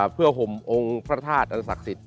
เพื่อห่มองค์พระธาตุอันศักดิ์สิทธิ